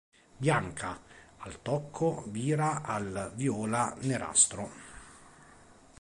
Bianca, al tocco vira al viola-nerastro.